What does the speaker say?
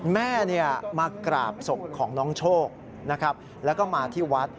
แม่มากราบศพของน้องโชคนะครับแล้วก็มาที่วัด